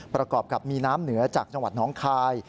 ประกอบกับมีน้ำเหนือจากจังหวัดน้องคาย